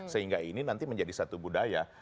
sehingga ini nanti menjadi satu budaya